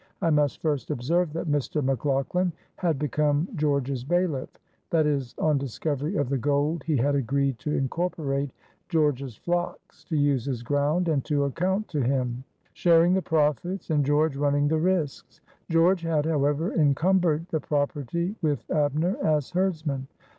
I must first observe that Mr. McLaughlan had become George's bailiff, that is, on discovery of the gold he had agreed to incorporate George's flocks, to use his ground and to account to him, sharing the profits, and George running the risks. George had, however, encumbered the property with Abner as herdsman.